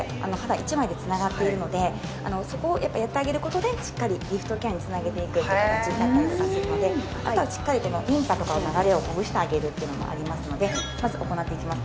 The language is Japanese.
そこをやってあげることでしっかりリフトケアにつなげていくって形だったりとかするのであとはしっかりリンパとかの流れをほぐしてあげるっていうのもありますのでまず行っていきます